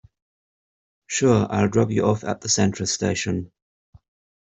Sure, I'll drop you off at the central station.